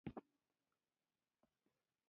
غول د ګرمو خوړو اغېز ښيي.